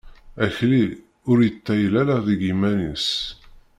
Akli, ur yettayal ara deg yiman-is.